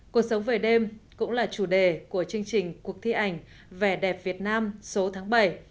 cuộc sống về đêm cũng là chủ đề của chương trình cuộc thi ảnh vẻ đẹp việt nam số tháng bảy